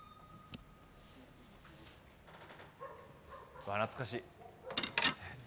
うわっ、懐かしい！